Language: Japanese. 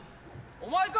お前か！